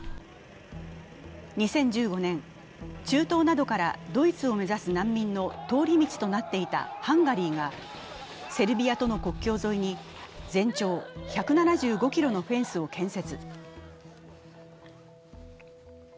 ２０１５年、中東などからドイツを目指す難民の通り道となっていたハンガリーが、セルビアとの国境沿いに全長１７５ｋｍのフェンスを建設。